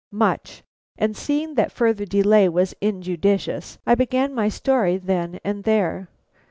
Much; and seeing that further delay was injudicious, I began my story then and there.